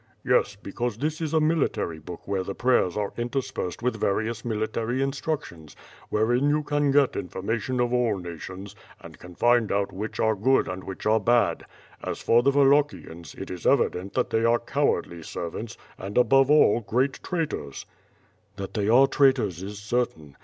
"Yes, because this is a military book where the prayers are interspersed with various military instructions, wherein you can get information of all nations, and can find out which WITH FIRE AND SWORD. 37 are good and which are bad. As for the Wallachians, it is evident that they are cowardly servants, and above all, great traitors." "That they are traitors is certain.